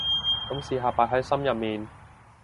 噉試下擺喺心入面